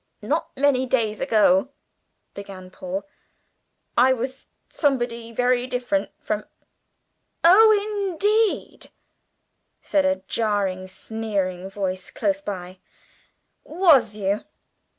"Not many days ago," began Paul, "I was somebody very different from " "Oh, indeed," said a jarring, sneering voice close by; "was you?"